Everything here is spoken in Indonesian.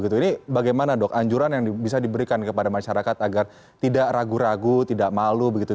ini bagaimana dok anjuran yang bisa diberikan kepada masyarakat agar tidak ragu ragu tidak malu begitu